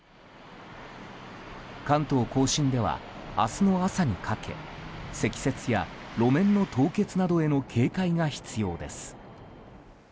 関東・甲信では明日の朝にかけ積雪や路面の凍結などへの警戒が必要です。